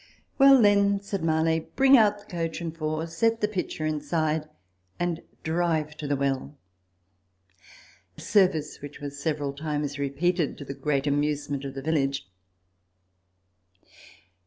" Well, then," said Marlay, " bring out the coach and four, set the pitcher inside, and drive to the well " a service which was several times repeated, to the great amusement of the village.